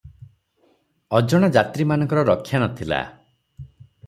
ଅଜଣା ଯାତ୍ରୀମାନଙ୍କର ରକ୍ଷା ନ ଥିଲା ।